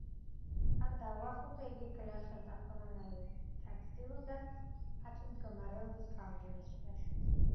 აქ დაუახლოვდა იგი გლეხებს და ყველანაირად ცდილობდა მათი მდგომარეობის გაუმჯობესებას.